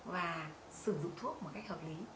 và sử dụng thuốc một cách hợp lý